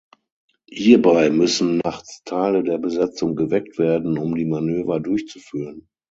Hierbei müssen nachts Teile der Besatzung geweckt werden, um die Manöver durchzuführen.